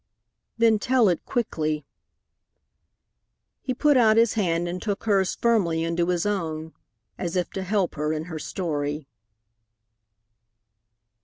"Then tell it quickly." He put out his hand and took hers firmly into his own, as if to help her in her story.